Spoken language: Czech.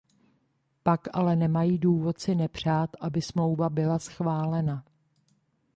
Pak ale nemají důvod si nepřát, aby smlouva byla schválena.